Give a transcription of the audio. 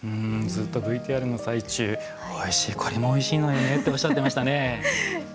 ずっとＶＴＲの最中おいしいこれもおいしいのよねっておっしゃってましたよね。